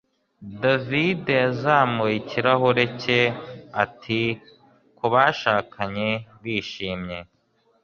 David yazamuye ikirahure cye ati Kubashakanye bishimye